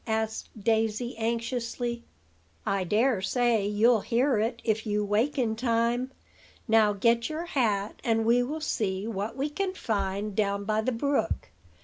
asked Daisy anxiously. "I dare say you'll hear it, if you wake in time. Now get your hat, and we will see what we can find down by the brook.